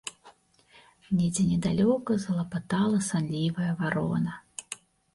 Недзе недалёка залапатала санлівая варона.